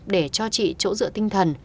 để cho chị chỗ dựa tinh thần